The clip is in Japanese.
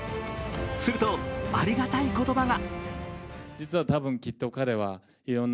すると、ありがたい言葉が。